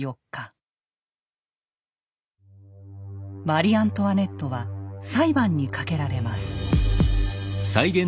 マリ・アントワネットは裁判にかけられます。